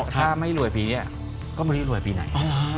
ถ้าไม่รวยปีนี้ก็ไม่รู้รวยปีไหน